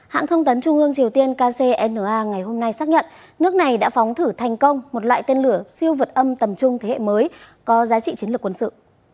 hãng thông tấn trung ương triều tiên kcna ngày hôm nay xác nhận nước này đã phóng thử thành công một loại tên lửa siêu vật âm tầm trung thế hệ mới có giá trị chiến lược quân sự